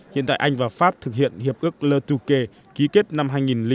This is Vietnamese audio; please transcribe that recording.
hiện tại anh và pháp thực hiện hiệp ước le touquet ký kết năm hai nghìn ba